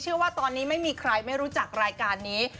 ว่าตอนนี้ไม่มีใครไม่รู้จักรายการนี้